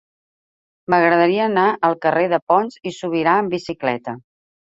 M'agradaria anar al carrer de Pons i Subirà amb bicicleta.